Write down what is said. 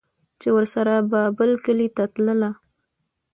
چې ورسره به بل کلي ته تلله